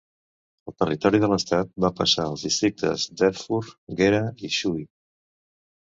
El territori de l'estat va passar els districtes d'Erfurt, Gera i Suhl.